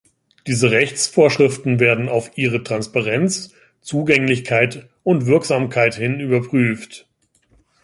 Diese Rechtsvorschriften werden auf ihre Transparenz, Zugänglichkeit und Wirksamkeit hin überprüft.